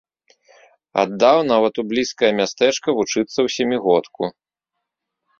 Аддаў нават у блізкае мястэчка вучыцца ў сямігодку.